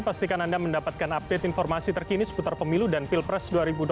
pastikan anda mendapatkan update informasi terkini seputar pemilu dan pilpres dua ribu dua puluh